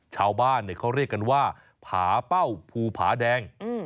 ชาวบ้านเขาเรียกกันว่าผาเป้าภูผาแดง